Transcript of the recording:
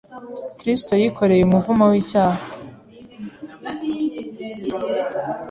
Kristo yikoreye umuvumo w’icyaha,